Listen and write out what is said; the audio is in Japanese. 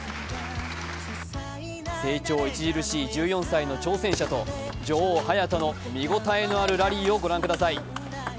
成長著しい１４歳の挑戦者と女王・早田の見応えのあるラリーをご覧ください。